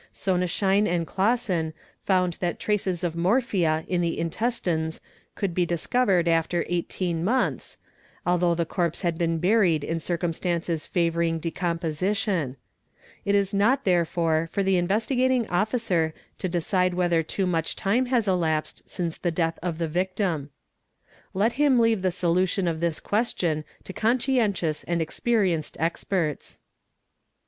Sonnenschein and Classen found tha traces of morphia in the intestines could be discovered after 18 months although the corpse had been buried in circumstances favouring decom position; it is not therefore for the Investigating Officer to decide whethel too much time has elasped since the death of the victim "®,( him leave the solution of this question to conscientious and experie nce experts.